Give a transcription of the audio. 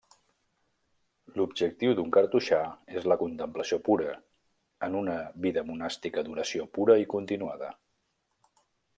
L'objectiu d'un cartoixà és la contemplació pura, en una vida monàstica d'oració pura i continuada.